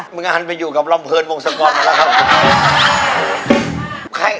งานไปอยู่กับลำเนินวงศกรมาแล้วครับ